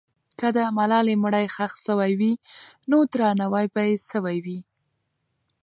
که د ملالۍ مړی ښخ سوی وي، نو درناوی به یې سوی وي.